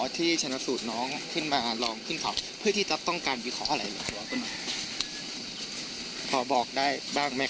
ที่จะสามารถขึ้นไปเองได้